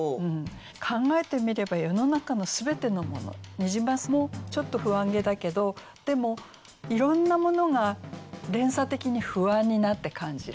考えてみれば世の中の全てのものニジマスもちょっと不安げだけどでもいろんなものが連鎖的に不安になって感じられる。